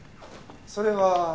それは。